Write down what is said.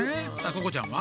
ここちゃんは？